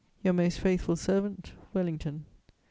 "Your most faithful servant, "WELLINGTON."